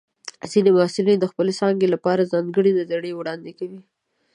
ځینې محصلین د خپلې څانګې لپاره ځانګړي نظریات وړاندې کوي.